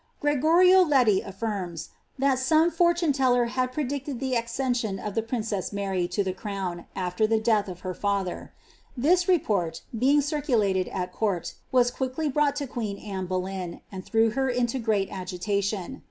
Gregorio Leti affirms, that some fortune teller had predicted the accession of the princess Mary to the crown, after the death of her lather. This repoit, being circulated at court, was quickly brought to queen Anne Boleya, and threw her into great agitation.